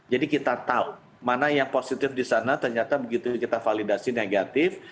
jadi kita tahu mana yang positif di sana ternyata begitu kita validasi negatif